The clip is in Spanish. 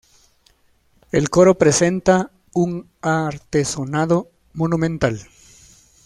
El coro presenta un artesonado monumental.